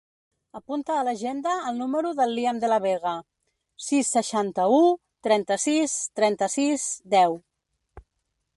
Apunta a l'agenda el número del Liam De La Vega: sis, seixanta-u, trenta-sis, trenta-sis, deu.